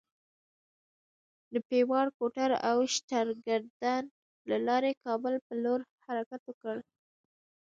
د پیواړ کوتل او شترګردن له لارې کابل پر لور حرکت وکړ.